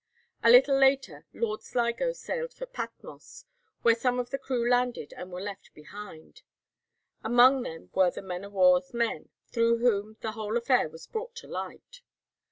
A little later Lord Sligo sailed for Patmos, where some of the crew landed and were left behind; among them were the men of war's men, through whom the whole affair was brought to light.